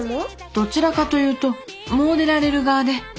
どちらかというと詣でられる側で。